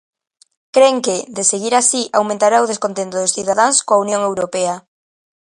Cren que, de seguir así, aumentará o descontento dos cidadáns coa Unión Europea.